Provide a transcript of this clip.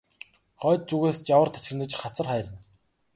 Хойд зүгээс жавар тачигнаж хацар хайрна.